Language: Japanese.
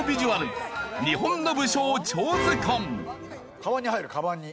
カバンに入るカバンに。